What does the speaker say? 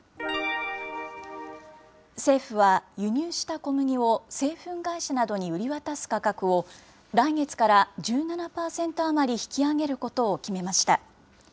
政府は、輸入した小麦を製粉会社などに売り渡す価格を、来月から１７％余り引き上げることを決めました。